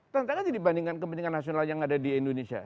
tantangannya dibandingkan kepentingan nasional yang ada di indonesia